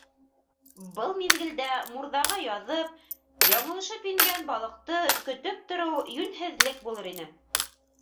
Был миҙгелдә мурҙаға яҙып-яңылышып ингән балыҡты көтөп тороу йүнһеҙлек булыр ине.